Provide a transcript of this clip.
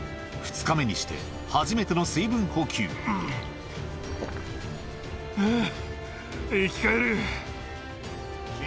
２日目にして初めての水分補給あぁ。